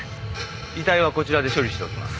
遺体はこちらで処理しておきます。